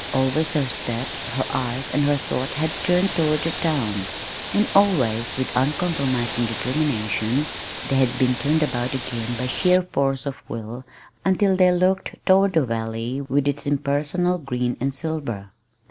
Always her steps, her eyes, and her thoughts had turned toward the town; and always, with uncompromising determination, they had been turned about again by sheer force of will until they looked toward the valley with its impersonal green and silver.